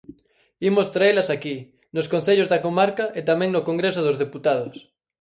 Imos traelas aquí, nos concellos da comarca e tamén no Congreso dos Deputados.